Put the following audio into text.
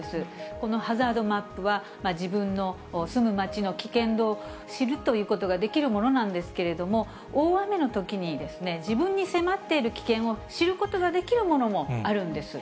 このハザードマップは、自分の住む町の危険度を知るということができるものなんですけれども、大雨のときに、自分に迫っている危険を知ることができるものもあるんです。